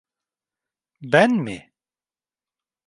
Ben mi?